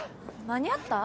「間に合った」？